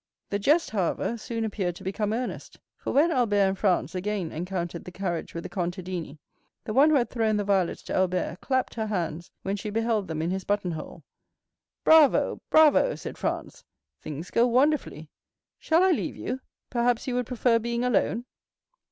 The jest, however, soon appeared to become earnest; for when Albert and Franz again encountered the carriage with the contadini, the one who had thrown the violets to Albert, clapped her hands when she beheld them in his button hole. "Bravo, bravo," said Franz; "things go wonderfully. Shall I leave you? Perhaps you would prefer being alone?"